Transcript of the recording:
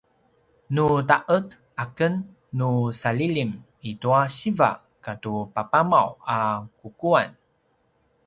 nu ta’ed aken nu salilim i tua siva katu papamaw a kukuan